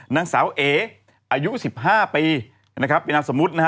น้องสาวเอ๋อายุ๑๕ปีนะครับบินับสมมุตินะฮะ